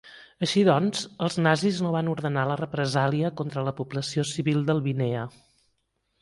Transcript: Així doncs els nazis no van ordenar la represàlia contra la població civil d'Albinea.